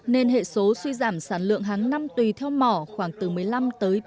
nên hệ số suy giảm sản lượng hàng năm tùy theo mỏ khoảng từ một mươi năm tới ba mươi